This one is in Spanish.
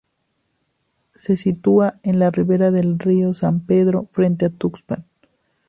Se sitúa en la ribera del río San Pedro, frente a Tuxpan.